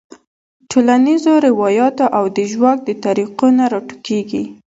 ټولنیزو رواياتو او د ژواک د طريقو نه راټوکيږي -